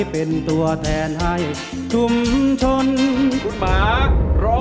โปรดติดตามตอนต่อไป